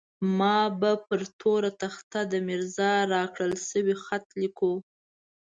ما به پر توره تخته د ميرزا راکړل شوی خط ليکلو.